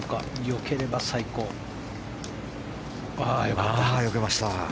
よけました。